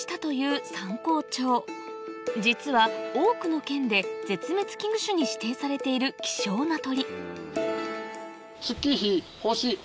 実は多くの県で絶滅危惧種に指定されている希少な鳥